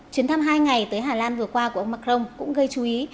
chuyến thăm hai ngày tới hà lan vừa qua của ông macron cũng gây chú ý